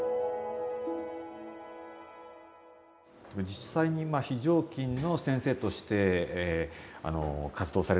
実際に非常勤の先生として活動される中でですね